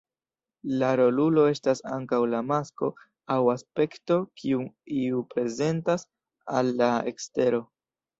La rolulo estas ankaŭ la masko aŭ aspekto kiun iu prezentas al la ekstero.